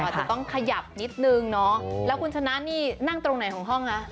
อาจจะต้องขยับนิดนึงเนาะแล้วคุณชนะนี่นั่งตรงไหนของห้องคะ